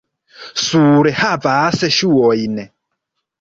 Surhavas ŝuojn.